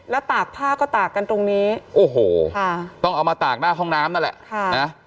แล้วตากผ้าก็ตากกันตรงนี้โอ้โหต้องเอามาตากหน้าห้องน้ำนั่นแหละ